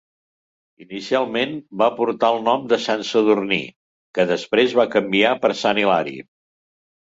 Inicialment va portar el nom de Sant Sadurní, que després va canviar per Sant Hilari.